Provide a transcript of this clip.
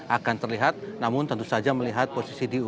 akan terlihat namun tentu saja melihat posisi di un